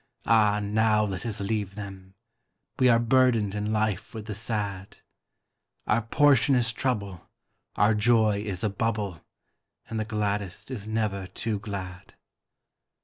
Ah, now let us leave them We are burdened in life with the sad; Our portion is trouble, our joy is a bubble, And the gladdest is never too glad.